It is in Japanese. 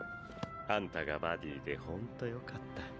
アンタがバディでホントよかった。